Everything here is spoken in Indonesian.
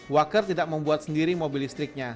waker tidak membuat sendiri mobil listriknya